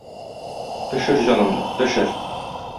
Пешер җанымны, пешер!